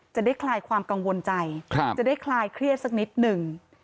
คลายความกังวลใจจะได้คลายเครียดสักนิดหนึ่ง